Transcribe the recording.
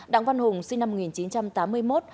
đặng văn hùng sinh năm một nghìn chín trăm tám mươi một